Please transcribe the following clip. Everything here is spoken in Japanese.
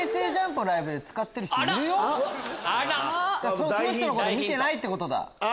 その人のこと見てないってことだ。